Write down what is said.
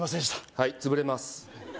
はい潰れます